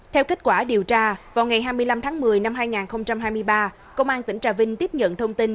theo kết quả điều tra vào ngày hai mươi năm tháng một mươi năm hai nghìn hai mươi ba công an tỉnh trà vinh tiếp nhận thông tin